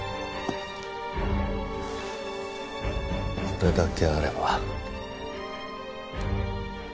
これだけあれば。